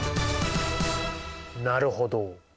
なるほど。